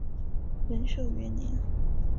仁寿元年。